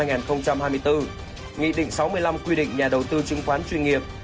nghị định sáu mươi năm quy định nhà đầu tư chứng khoán chuyên nghiệp